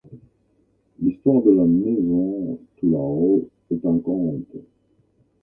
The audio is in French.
L’histoire de la maison Toulaho est un conte.